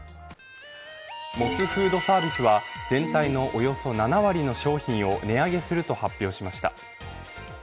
モスフードサービスは全体のおよそ７割の商品を値上げすると発表しました。